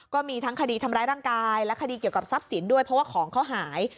ก็มีทั้งคดีทำร้ายร่างกายและคดีเกี่ยวกับทรัพย์สินด้วยเพราะว่าของเขาหาย